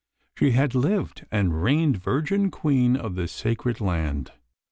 She had lived and reigned virgin queen of the Sacred Land.